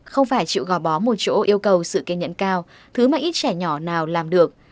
không phải chịu gò bó một chỗ yêu cầu sự kiên nhẫn cao thứ mà ít trẻ nhỏ nào làm được